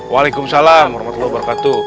waalaikumsalam warahmatullahi wabarakatuh